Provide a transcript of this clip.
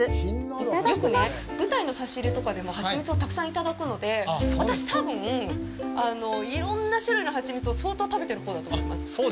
よくね、舞台の差し入れとかでもハチミツをたくさんいただくので私、多分、いろんな種類のハチミツを相当食べてるほうだと思います。